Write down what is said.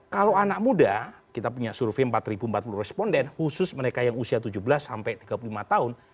kalau anak muda kita punya survei empat ribu empat puluh responden khusus mereka yang usia tujuh belas sampai tiga puluh lima tahun